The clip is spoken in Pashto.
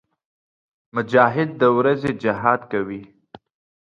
مجاهد د ورځې جهاد کوي.